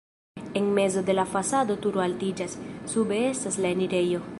En mezo de la fasado turo altiĝas, sube estas la enirejo.